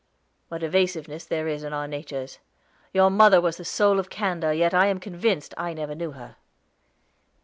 What evasiveness there is in our natures! Your mother was the soul of candor, yet I am convinced I never knew her."